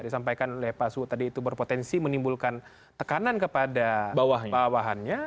disampaikan oleh pak su tadi itu berpotensi menimbulkan tekanan kepada bawahannya